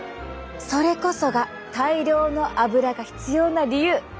それこそが大量の油が必要な理由。